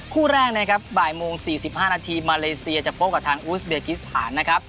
คู่แรกนะครับบ่ายโมง๔๕นาทีมาเลเซียจะพบกับทางอูสเบกิสถานนะครับ